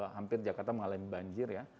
hampir jakarta mengalami banjir ya